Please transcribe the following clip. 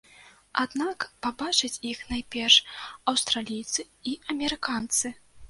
Аднак пабачаць іх найперш аўстралійцы і амерыканцы.